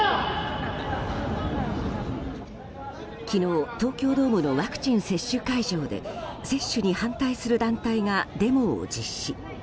昨日、東京ドームのワクチン接種会場で接種に反対する団体がデモを実施。